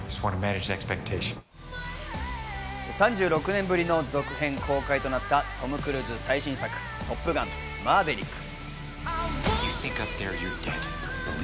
３６年ぶりの続編公開となったトム・クルーズ最新作『トップガンマーヴェリック』。